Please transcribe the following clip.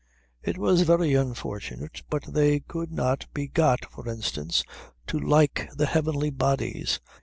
It was very unfortunate, but they could not be got, for instance, to like the heavenly bodies.